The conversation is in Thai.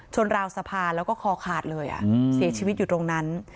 ราวสะพานแล้วก็คอขาดเลยเสียชีวิตอยู่ตรงนั้น